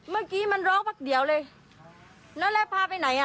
เมื่อกี้มันร้องพักเดียวเลยแล้วพาไปไหนอ่ะ